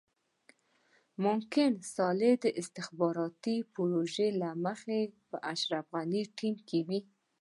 ممکن صالح د استخباراتي پروژې له مخې په اشرف غني ټيم کې وي.